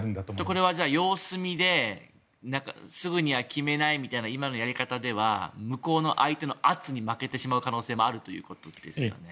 これは様子見ですぐには決めないみたいな今のやり方では向こうの相手の圧に負けてしまう可能性もあるということですね。